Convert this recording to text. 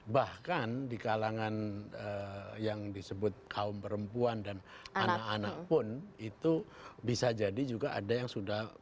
bahkan di kalangan yang disebut kaum perempuan dan anak anak pun itu bisa jadi juga ada yang sudah